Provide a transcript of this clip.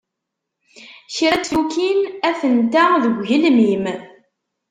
Kra n teflukin atent-a deg ugelmim.